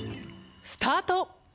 スタート！